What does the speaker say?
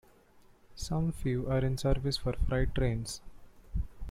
Some few are in service for freight trains.